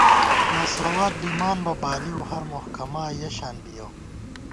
مساوات بِمان بہ بالِؤ ، ہر محکَما یَہ شان بِیَؤ